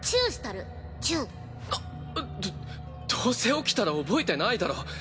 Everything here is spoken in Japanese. どどうせ起きたら覚えてないだろ。